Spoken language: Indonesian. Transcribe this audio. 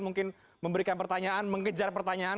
mungkin memberikan pertanyaan mengejar pertanyaan